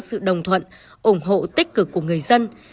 đồng hành đồng thuận ủng hộ tích cực của người dân